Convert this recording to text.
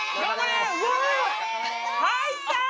入った！